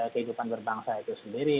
kehidupan berbangsa itu sendiri